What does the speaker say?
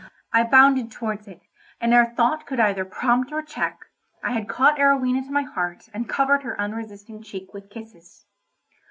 I bounded towards it, and ere thought could either prompt or check, I had caught Arowhena to my heart and covered her unresisting cheek with kisses.